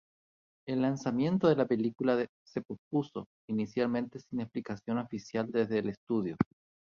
El lanzamiento de la película se pospuso, inicialmente sin explicación oficial desde el estudio.